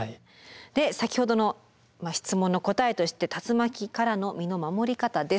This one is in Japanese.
で先ほどの質問の答えとして竜巻からの身の守り方です。